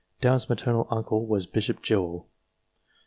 Downe's maternal uncle was Bishop Jewell.